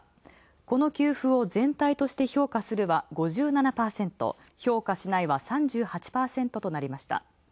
この給付を全体として評価するは５７％、評価しないは３８％となりました。